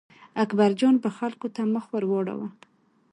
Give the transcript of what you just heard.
اکبرجان به خلکو ته مخ ور واړاوه.